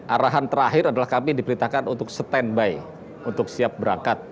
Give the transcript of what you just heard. arahan terakhir adalah kami diperintahkan untuk standby untuk siap berangkat